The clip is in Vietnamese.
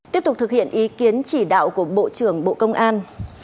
tiếp tục thực hiện ý kiến chỉ đạo của bộ trưởng bộ công an